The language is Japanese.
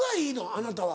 あなたは。